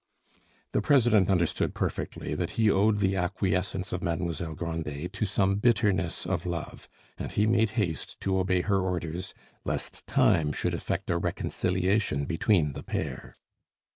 The president understood perfectly that he owed the acquiescence of Mademoiselle Grandet to some bitterness of love, and he made haste to obey her orders, lest time should effect a reconciliation between the pair.